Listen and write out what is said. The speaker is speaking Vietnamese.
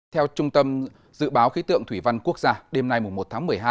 theo trung tâm dự báo khí tượng thủy văn quốc gia đêm nay một tháng một mươi hai